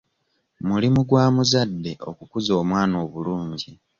Mulimu gwa muzadde okukuza omwana obulungi